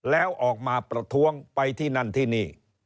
แล้วออกมาประท้วงไปที่นั่นที่นี่